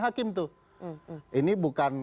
hakim tuh ini bukan